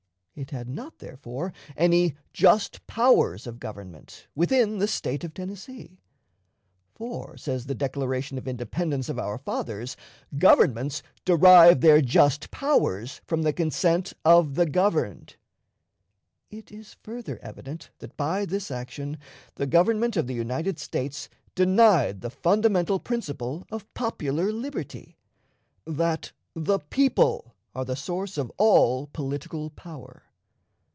It had not, therefore, any "just powers" of government within the State of Tennessee. For, says the Declaration of Independence of our fathers, governments "derive their 'just powers' from the consent of the governed." It is further evident that, by this action, the Government of the United States denied the fundamental principle of popular liberty that the people are the source of all political power.